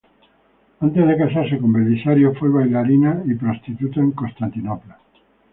Antes de casarse con Belisario fue bailarina y prostituta en Constantinopla.